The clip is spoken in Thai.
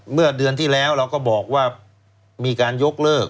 เมื่อเดือนที่แล้วเราก็บอกว่ามีการยกเลิก